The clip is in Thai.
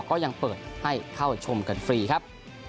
ก็ยังเปิดให้เข้าชมกันฟรีครับ